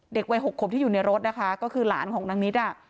วัย๖ขวบที่อยู่ในรถนะคะก็คือหลานของนางนิดอ่ะ